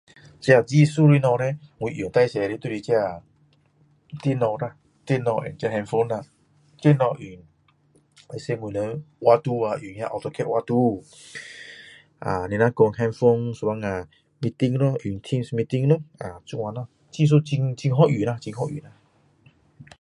这个技术的东西叻我最多的就是这个电脑咯电脑和 handphone 啦电脑用是我们画图啊用 autocate 画图用啊你若说 handphone 有时候 meeting 咯用 teams meeting 咯这样咯技术很好用啦很好用啦